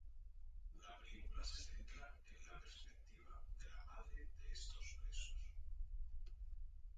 La película se centra en la perspectiva de la madre de estos presos.